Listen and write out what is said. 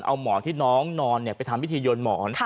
เอาหมอนที่น้องนอนไปทำพิธีโยนหมอน